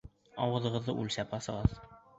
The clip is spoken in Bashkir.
Ауыҙығыҙҙы үлсәп асығыҙ!